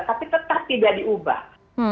tapi tetap tidak diubah